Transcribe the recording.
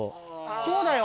そうだよ